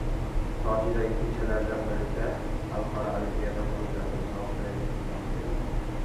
Sochidagi ko‘chalardan biriga Xalqaro olimpiya qo‘mitasining sobiq prezidenti nomi beriladi